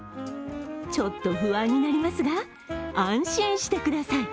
ちょっと不安になりますが、安心してください。